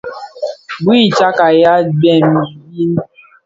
Bui titsàb yaà bwem bi.